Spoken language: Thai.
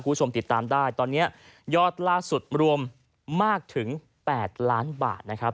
คุณผู้ชมติดตามได้ตอนนี้ยอดล่าสุดรวมมากถึง๘ล้านบาทนะครับ